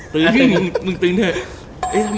ตึงมึงตึงเถอะ